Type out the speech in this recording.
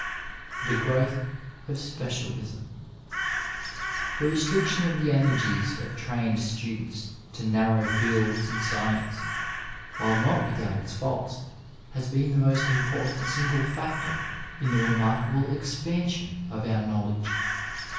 THE GROWTH OP SPECIALISM The restriction of the energies of trained students to narrow fields in science, while not without its faults, has been the most important single &ctor in the remarkable expansion of our knowledge.